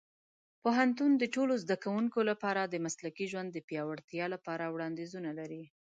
پوهنتون د ټولو زده کوونکو لپاره د مسلکي ژوند د پیاوړتیا لپاره وړاندیزونه لري.